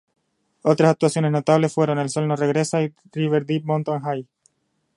Otras actuaciones notables fueron "El sol no regresa" y "River deep mountain high".